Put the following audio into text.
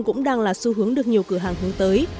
cũng đang là xu hướng được nhiều cửa hàng hướng tới